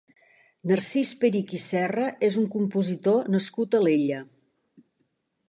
Narcís Perich i Serra és un compositor nascut a Alella.